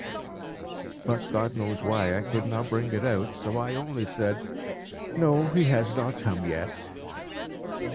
But, God knows why, I could not bring it out, so I only said, "No, he has not come yet."